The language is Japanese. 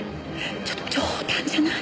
ちょっと冗談じゃない！